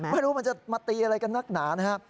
ไม่รู้มันจะมาตีอะไรกันนักหนานะครับ